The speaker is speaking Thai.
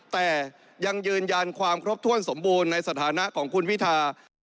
แต่ยังยืนยันความครบถ้วนสมบูรณ์ในสถานะของคุณพิธา